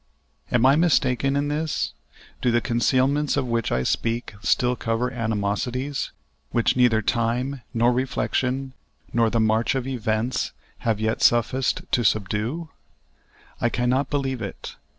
Am I mistaken in this? Do the concealments of which I speak still cover animosities, which neither time nor reflection nor the march of events have yet sufficed to subdue? I can not believe it.